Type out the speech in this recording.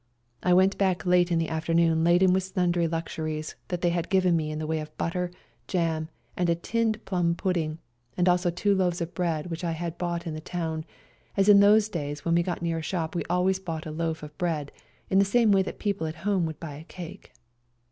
I went back late in the afternoon laden with simdry luxuries they had given me in the way of butter, 174 SERBIAN CHRISTMAS DAY jam, and a tinned plum pudding, and also two loaves of bread which I had bought in the town, as in those days when we got near a shop we always bought a loaf of bread, in the same way that people at home would buy cake.